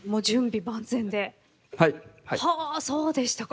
はぁそうでしたか。